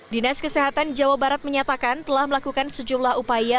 dinas kesehatan jawa barat menyatakan telah melakukan sejumlah upaya